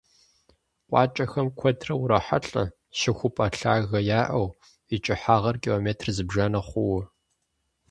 КъуакӀэхэм куэдрэ урохьэлӀэ щыхупӀэ лъагэ яӀэу, и кӀыхьагъыр километр зыбжанэ хъууэ.